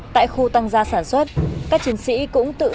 tại khu tăng gia sản xuất các chiến sĩ cũng tự sử dụng